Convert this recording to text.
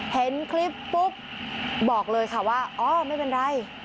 เห็นคลิปปุ๊บบอกเลยค่ะว่าอ๋อไม่เป็นไร